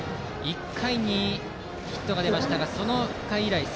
１回にヒットが出ましたがその回以来です。